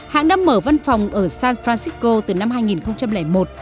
hãng đã mở văn phòng ở san francisco từ năm hai nghìn một